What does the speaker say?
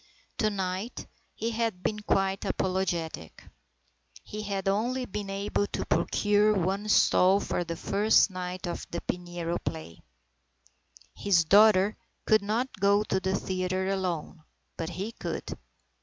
To night he had been quite apologetic. He had only been able to procure one stall for the first night of the Pinero play. His daughter could not go to the theatre alone, but he could.